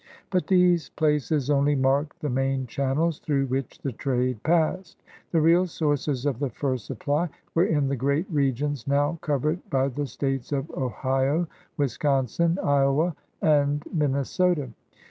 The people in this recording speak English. But these places only marked the main channels through which the trade passed. The real sources of the fur supply were in the great regions now covered by the states of Ohio, Wisconsin, Iowa, and Minnesota.